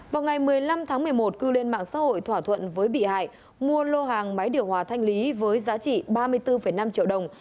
vào ngày một mươi năm tháng một mươi một cư lên mạng xã hội thỏa thuận với bị hại mua lô hàng máy điều hòa thanh lý với giá trị ba mươi bốn năm triệu đồng